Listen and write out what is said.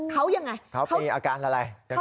เขายังไงเขามีอาการอะไร